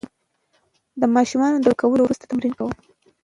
د ماشومانو له ویده کولو وروسته تمرین کوم.